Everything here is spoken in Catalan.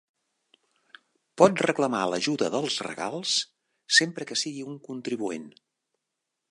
Pot reclamar l'ajuda dels regals sempre que sigui un contribuent.